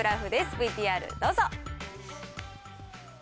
ＶＴＲどうぞ。